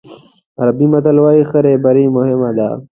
عربي متل وایي ښه رهبري مهم ده.